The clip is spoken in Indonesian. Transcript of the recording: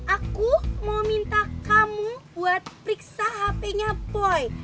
aku mau minta kamu buat periksa hpnya boy